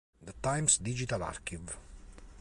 The Times Digital Archive.